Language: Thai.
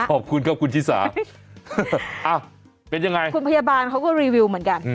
ขอบคุณครับคุณชิสาเป็นยังไงคุณพยาบาลเขาก็รีวิวเหมือนกัน